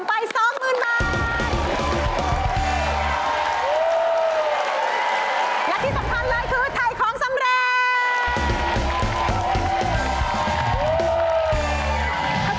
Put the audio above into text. และที่สำคัญเลยคือถ่ายของสำเร็จ